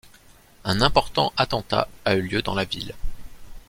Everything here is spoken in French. Un important attentat a eu lieu dans la ville.